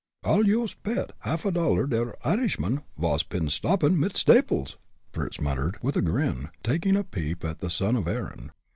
"I'll yoost pet half dollar der Irishman vas pin stoppin' mit Samples!" Fritz muttered, with a grin, taking a peep at the son of Erin.